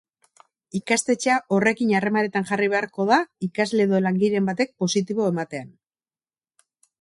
Ikastetxea horrekin harremanetan jarri beharko da ikasle edo langileren batek positibo ematean.